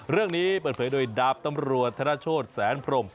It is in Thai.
เรื่องนี้เปิดเผยโดยดาบตำรวจธนโชธแสนพรม